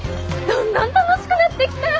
どんどん楽しくなってきた！